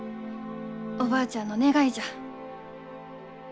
おばあちゃんの願いじゃ。